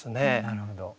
なるほど。